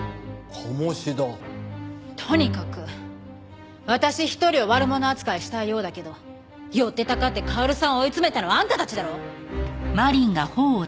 とにかく私一人を悪者扱いしたいようだけど寄ってたかって薫さんを追い詰めたのはあんたたちだろ！